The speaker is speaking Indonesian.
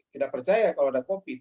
tidak percaya kalau ada covid